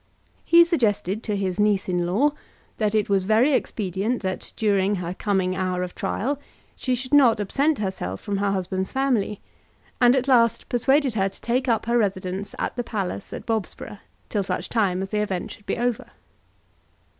He suggested to his niece in law that it was very expedient that, during her coming hour of trial, she should not absent herself from her husband's family, and at last persuaded her to take up her residence at the palace at Bobsborough till such time as the event should be over.